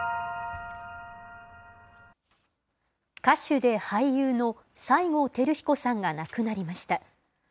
歌手で俳優の西郷輝彦さんが亡くなりました。